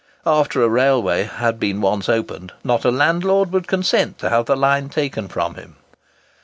After a railway had been once opened, not a landlord would consent to have the line taken from him.